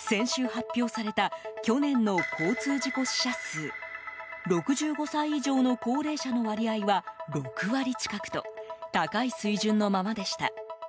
先週発表された去年の交通事故死者数６５歳以上の高齢者の割合は６割近くと高い水準のままでした。